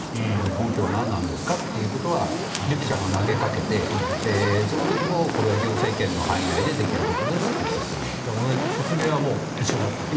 根拠は何なんですかということは記者が投げかけてその時もこれは行政権の範囲内で説明は一緒だったと。